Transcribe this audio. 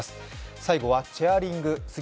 最後はチェアリング。